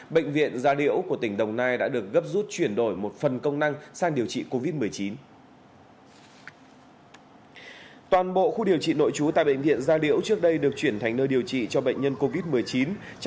bệnh viện gia liễu của tỉnh đồng nai đã được gấp rút chuyển đổi một phần công năng sang điều trị covid một mươi chín